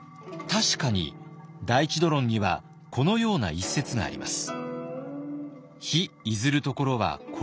確かに「大智度論」にはこのような一節があります。